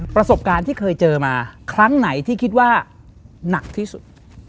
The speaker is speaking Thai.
ประสบการณ์ที่เคยเจอมาครั้งไหนที่คิดว่าหนักที่สุด